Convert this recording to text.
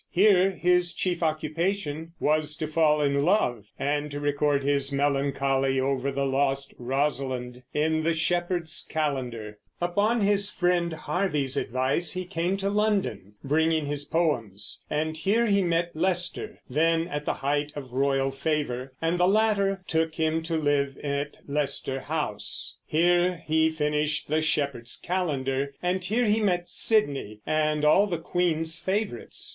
Here his chief occupation was to fall in love and to record his melancholy over the lost Rosalind in the Shepherd's Calendar. Upon his friend Harvey's advice he came to London, bringing his poems; and here he met Leicester, then at the height of royal favor, and the latter took him to live at Leicester House. Here he finished the Shepherd's Calendar, and here he met Sidney and all the queen's favorites.